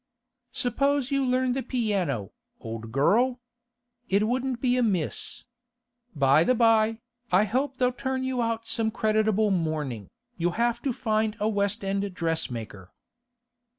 'Suppose you learn the piano, old girl? It wouldn't be amiss. By the by, I hope they'll turn you out some creditable mourning. You'll have to find a West End dressmaker.